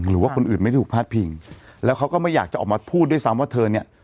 หรือว่าคนอื่นไม่ถูกพลาดพิงแล้วเขาก็ไม่อยากจะออกมาพูดด้วยซ้ำว่าเธอเนี่ย